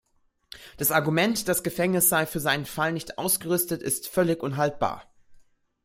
Das Argument, das Gefängnis sei für seinen Fall nicht ausgerüstet, ist völlig unhaltbar.